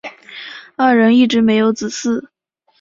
二人一直没有子嗣。